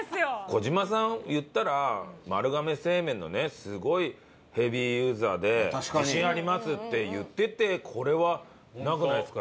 児嶋さん言ったら丸亀製麺のねすごいヘビーユーザーで自信ありますって言っててこれはなくないですか？